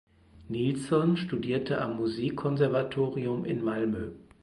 Nilsson studierte am Musikkonservatorium in Malmö.